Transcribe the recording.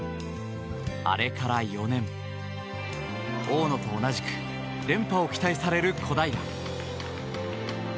あれから４年、大野と同じく連覇を期待される小平。